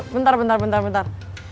bentar bentar bentar bentar